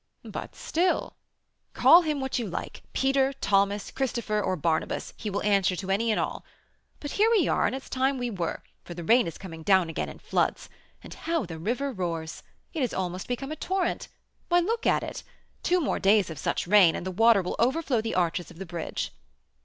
"But, still " "Call him what you like, Peter, Thomas, Christopher, or Barnabas, he will answer to any and all. But here we are, and it's time we were, for the rain is coming down again in floods; and how the river roars! It has almost become a torrent! Why, look at it! Two more days of such rain, and the water will overflow the arches of the bridge."